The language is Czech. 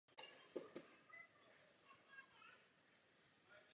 Obě soupravy poté v běžném provozu jezdily na příměstských tratích v okolí Prahy.